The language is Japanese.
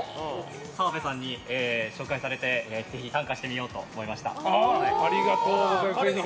澤部さんに紹介されてぜひ参加してみようと思いました。